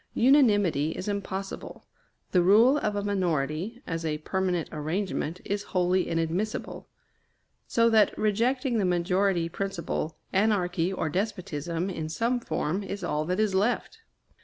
Unanimity is impossible; the rule of a minority, as a permanent arrangement, is wholly inadmissible. So that, rejecting the majority principle, anarchy or despotism, in some form, is all that is left.